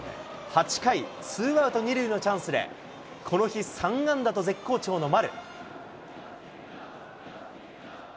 ８回、ツーアウト２塁のチャンスで、この日３安打と絶好調の丸。